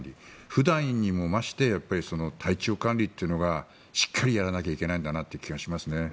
普段にも増して体調管理というのがしっかりやらなきゃいけないんだなという気がしますね。